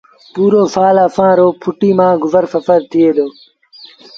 پُورو سآل اسآݩ رو ڦُٽيٚ مآݩ گزر سڦر ٿئي دو